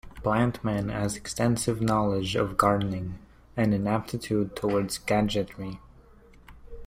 Plantman has extensive knowledge of gardening, and an aptitude towards gadgetry.